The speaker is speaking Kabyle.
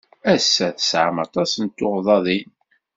Ass-a, tesɛam aṭas n tuɣdaḍin.